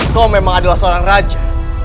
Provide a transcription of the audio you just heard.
kau memang adalah seorang raja